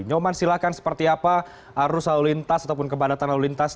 nyoman silakan seperti apa arus lalu lintas ataupun kepadatan lalu lintas